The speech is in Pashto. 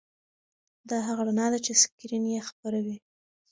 دا هغه رڼا ده چې سکرین یې خپروي.